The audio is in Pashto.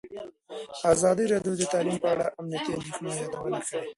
ازادي راډیو د تعلیم په اړه د امنیتي اندېښنو یادونه کړې.